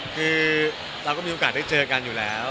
คือเราก็มีโอกาสได้เจอกันอยู่แล้ว